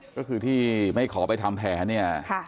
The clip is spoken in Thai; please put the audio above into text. ก็คือที่ไม่ขอไปทำแผนเนี่ย